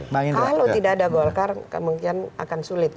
kalau tidak ada golkar kemungkinan akan sulit